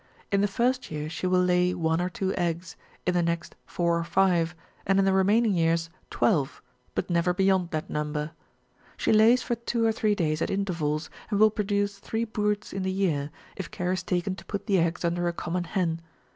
In the first year she will lay one or two eggs, in the next four or five, and in the remaining years twelve, but never beyond that number. She lays for two or three days at intervals, and will produce three broods in the year, if care is taken to put .the eggs under a common hen.